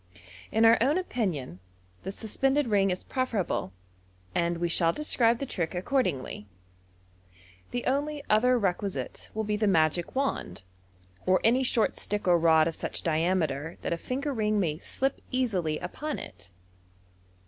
In our own opinion, the suspended ring is preferable, and we shall describe the trick accordingly. The only other requisite will be the magic wand, or any short stick or rod of such diameter that a finger ring may slip easily upon it.